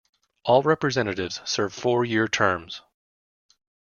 All representatives serve four-year terms.